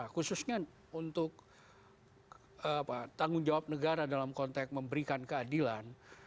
khususnya untuk tanggung jawab negara dalam konteks memberikan keadilan